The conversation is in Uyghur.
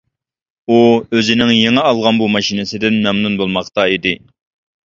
ئۇ ئۆزىنىڭ يېڭى ئالغان بۇ ماشىنىسىدىن مەمنۇن بولماقتا ئىدى.